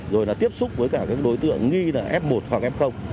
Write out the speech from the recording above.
rồi là tiếp xúc với cả các đối tượng nghi là f một hoặc f